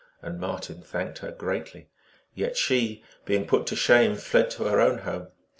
And Marten thanked her greatly, yet she, being put to shame, fled to her own home.